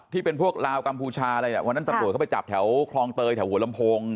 ที่เป็นพวกลาวกัมพูชาอะไรเนี่ยวันนั้นตำรวจเข้าไปจับแถวคลองเตยแถวหัวลำโพง